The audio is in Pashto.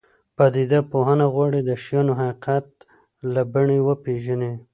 پدیده پوهنه غواړي د شیانو حقیقت له بڼې وپېژني.